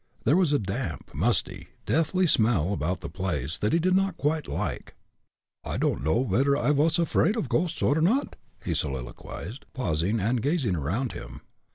There was a damp, musty, deathly smell about the place that he did not quite like. "I don'd know vedder I vas afraid of ghosts or not," he soliloquized, pausing and gazing around him.